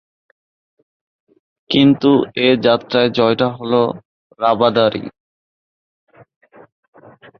কিন্তু এ যাত্রায় জয়টা হলো রাবাদারই।